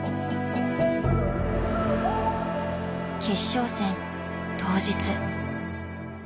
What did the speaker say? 決勝戦当日。